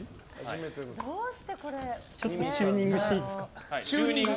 ちょっとチューニングしていいですか。